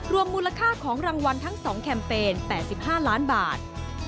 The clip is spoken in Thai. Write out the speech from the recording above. มูลค่าของรางวัลทั้ง๒แคมเปญ๘๕ล้านบาท